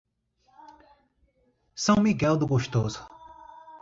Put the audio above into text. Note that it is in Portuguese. São Miguel do Gostoso